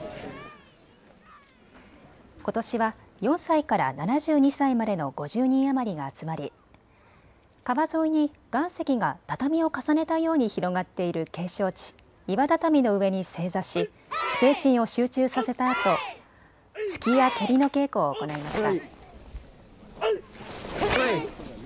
ことしは４歳から７２歳までの５０人余りが集まり川沿いに岩石が畳を重ねたように広がっている景勝地、岩畳の上に正座し精神を集中させたあと突きや蹴りの稽古を行いました。